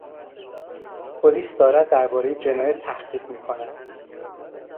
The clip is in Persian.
پلیس دارد دربارهی جنایت تحقیق میکند.